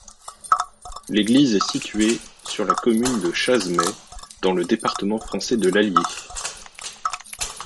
L'église est située sur la commune de Chazemais, dans le département français de l'Allier.